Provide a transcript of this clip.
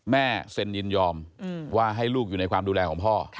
แม่เซ็นยินยอมว่าให้ลูกอยู่ในความดูแลของพ่อ